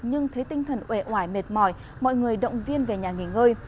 nhưng thấy tinh thần ủe ỏi mệt mỏi mọi người động viên về nhà nghỉ ngơi